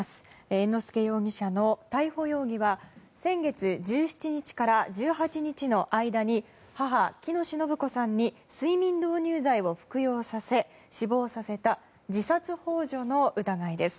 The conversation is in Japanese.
猿之助容疑者の逮捕容疑は先月１７日から１８日の間に母・喜熨斗延子さんに睡眠導入剤を服用させ死亡させた自殺幇助の疑いです。